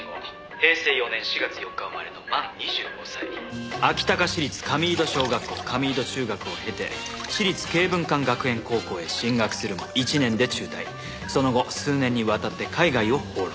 平成４年４月４日生まれの満２５歳」「阿伎高市立神井戸小学校神井戸中学を経て私立京文館学園高校へ進学するも１年で中退」「その後数年にわたって海外を放浪」